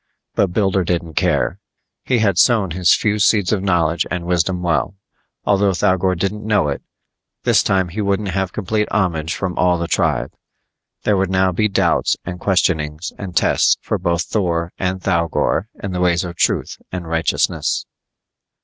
But Builder didn't care: he had sown his few seeds of knowledge and wisdom well. Although Thougor didn't know it, this time he wouldn't have complete homage from all the tribe. There would now be doubts and questionings and tests for both Thor and Thougor in the ways of truth and righteousness.